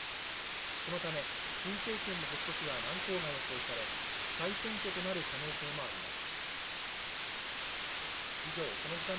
このため新政権の発足は難航が予想され再選挙となる可能性もあります。